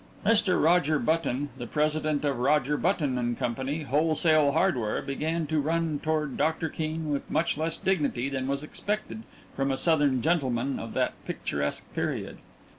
Mr. Roger Button, the president of Roger Button & Co., Wholesale Hardware, began to run toward Doctor Keene with much less dignity than was expected from a Southern gentleman of that picturesque period.